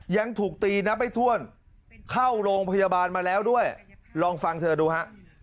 ยังถูกตีนับไม่ถ้วนเข้าโรงพยาบาลมาแล้วด้วยลองฟังเธอดูฮะ